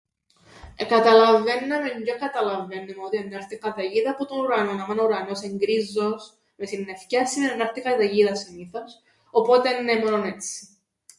Εκαταλαββαίνναμεν, τζ̆αι καταλαββαίννουμεν, ότι εννά 'ρτει καταιγίδα, που τον ουρανόν. Άμαν ο ουρανός εν' γκρίζος με συννεφκιαν σημαίνει εννά 'ρτει καταιγίδα συνήθως, οπότε νναι μόνον έτσι.